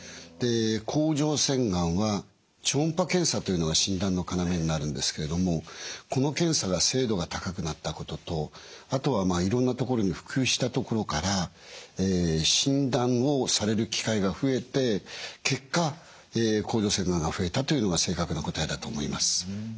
甲状腺がんは超音波検査というのが診断の要になるんですけれどもこの検査が精度が高くなったこととあとはまあいろんなところに普及したところから診断をされる機会が増えて結果甲状腺がんが増えたというのが正確な答えだと思います。